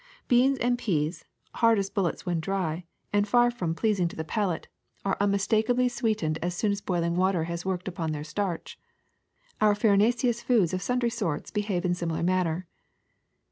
Beans and peas, hard as bullets when dry, and far from pleas 271 272 THE SECRET OF EVERYDAY THINGS ing to the palate, are unmistakably sweetened as soon as boiling water has worked upon their starch. Our farinaceous foods of sundry sorts behave in similar manner.